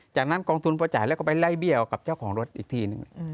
จากนั้นกองทุนพอจ่ายแล้วก็ไปไล่เบี้ยวกับเจ้าของรถอีกทีหนึ่ง